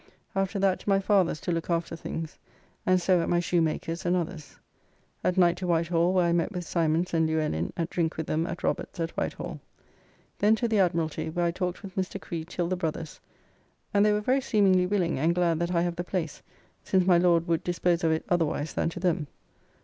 After that to my father's to look after things, and so at my shoemaker's and others. At night to Whitehall, where I met with Simons and Luellin at drink with them at Roberts at Whitehall. Then to the Admiralty, where I talked with Mr. Creed till the Brothers, and they were very seemingly willing and glad that I have the place since my Lord would dispose of it otherwise than to them.